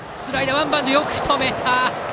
ワンバウンドでよく止めた。